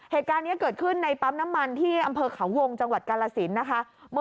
เหตุการณ์นี้เกิดขึ้นในปั๊มน้ำมันที่อำเภอเขาวงจังหวัดกาลสินนะคะ